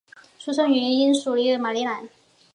出生于原英属索马利兰。